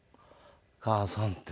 「母さん」って。